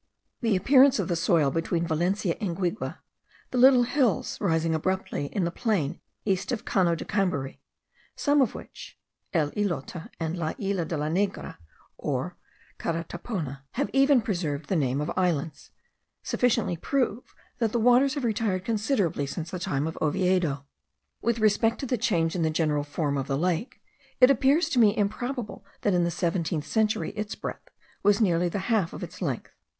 The appearance of the soil between Valencia and Guigue, the little hills rising abruptly in the plain east of the Cano de Cambury, some of which (el Islote and la Isla de la Negra or Caratapona) have even preserved the name of islands, sufficiently prove that the waters have retired considerably since the time of Oviedo. With respect to the change in the general form of the lake, it appears to me improbable that in the seventeenth century its breadth was nearly the half of its length.